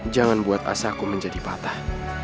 jangan buat rasa aku menjadi patah